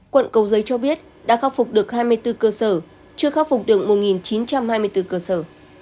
quận cầu giấy cho biết đã khắc phục được hai mươi bốn cơ sở chưa khắc phục được một chín trăm hai mươi bốn cơ sở